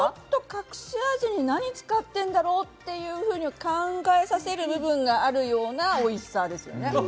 隠し味に何使ってるんだろう？って考えさせられる部分があるようなおいしさですね。